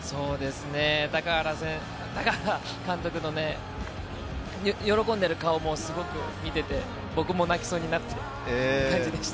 高原監督の喜んでいる顔もすごく見ていて、僕も泣きそうになって。